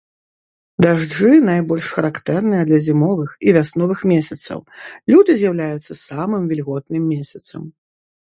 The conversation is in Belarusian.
Дажджы найбольш характэрныя для зімовых і вясновых месяцаў, люты з'яўляецца самым вільготным месяцам.